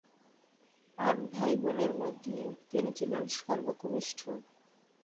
আট ভাই-বোনের মধ্যে তিনি ছিলেন সর্বকনিষ্ঠ।